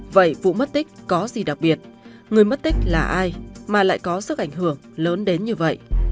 vậy vụ mất tích có gì đặc biệt người mất tích là ai mà lại có sức ảnh hưởng lớn đến như vậy